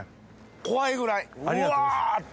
怖いぐらいうわって！